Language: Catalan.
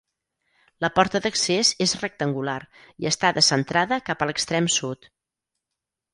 La porta d'accés és rectangular i està descentrada cap a l'extrem sud.